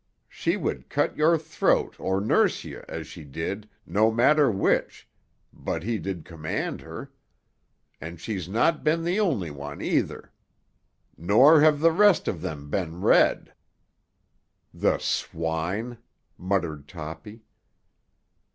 She would cut your throat or nurse ye as she did, no matter which, did he but command her. And she's not been the only one, either. "Nor have the rest of them been red." "The swine!" muttered Toppy.